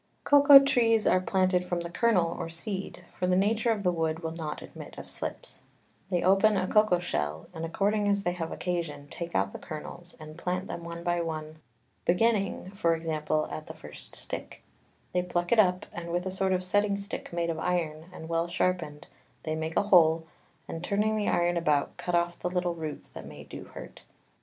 Cocao Trees are planted from the Kernel or Seed, for the Nature of the Wood will not admit of Slips: They open a Cocao Shell, and according as they have occasion, take out the Kernels, and plant them one by one, beginning, for example, at the first Stick: They pluck it up, and with a sort of a Setting Stick made of Iron, and well sharpened, they make a Hole, and turning the Iron about, cut off the little Roots that may do hurt.